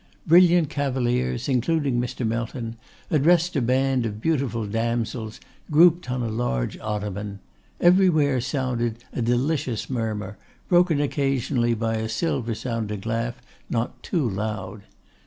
Brilliant cavaliers, including Mr. Melton, addressed a band of beautiful damsels grouped on a large ottoman. Everywhere sounded a delicious murmur, broken occasionally by a silver sounding laugh not too loud.